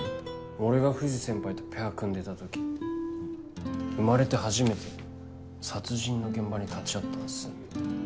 俺が藤先輩とペア組んでた時生まれて初めて殺人の現場に立ち会ったんです。